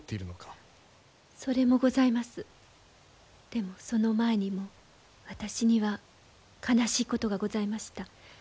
でもその前にも私には悲しいことがございました。